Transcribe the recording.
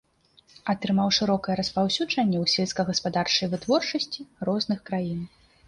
Атрымаў шырокае распаўсюджанне ў сельскагаспадарчай вытворчасці розных краін.